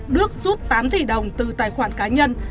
đức rút tám tỷ đồng từ tài khoản cá nhân